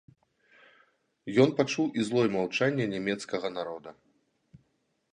Ён пачуў і злое маўчанне нямецкага народа.